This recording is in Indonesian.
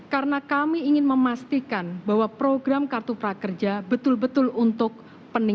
karena kami ingin memastikan bahwa program kartu prakerja betul betul untuk penuntasan pelatihan